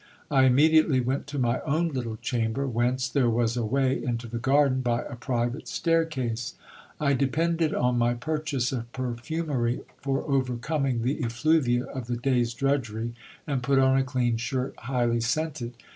I immediately went to my own little chamber, whence there was a way into the garden by a piivate staircase I depended on my purchase of perfumery for overcoming the eHuvia of the day's drudgery, and put on a clean shirt highly scented.